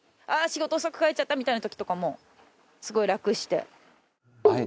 ああ仕事遅く帰っちゃったみたいな時とかもすごい楽して。